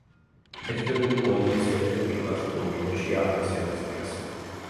მესტვირული პოეზიის ერთ-ერთი კლასიკური ნიმუშია „არსენას ლექსი“.